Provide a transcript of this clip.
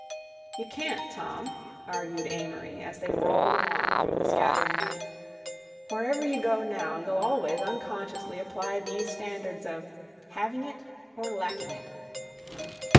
"You can't, Tom," argued Amory, as they rolled along through the scattering night; "wherever you go now you'll always unconsciously apply these standards of 'having it' or 'lacking it.